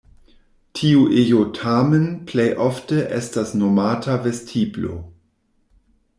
Tiu ejo tamen plej ofte estas nomata vestiblo.